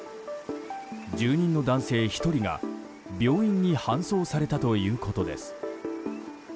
住人の男性１人が、病院に搬送されたということです。